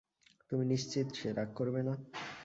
তুমি নিশ্চিত সে রাগ করবে না?